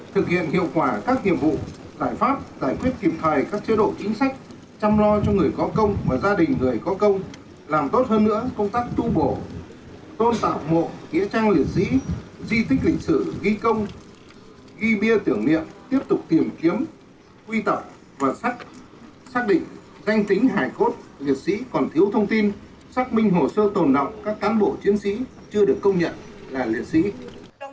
thực hiện hiệu quả các hiệp vụ giải pháp giải quyết kiềm thai các chế độ chính sách chăm lo cho người có công và gia đình người có công làm tốt hơn nữa công tác tu bổ tôn tạo mộ ký trang liệt sĩ di tích lịch sử ghi công ghi bia tưởng niệm tiếp tục tìm kiếm quy tầm và xác định danh tính hài cốt liệt sĩ còn thiếu thông tin xác minh hồ sơ tồn đọc các cán bộ chiến sĩ chưa được công nhận an joining an accounting an intervention an recreation